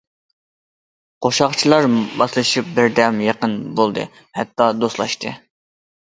قوشاقچىلار ماسلىشىپ بىردەم، يېقىن بولدى ھەتتا دوستلاشتى.